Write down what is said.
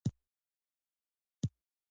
د کار توکي له یوې خوا طبیعي سرچینې دي.